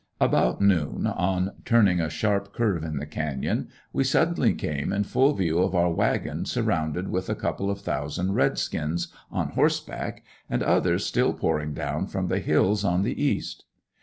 About noon, on turning a sharp curve in the canyon, we suddenly came in full view of our wagon surrounded with a couple of thousand red skins, on horse back, and others still pouring down from the hills, on the east.